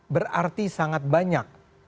berarti sangat banyak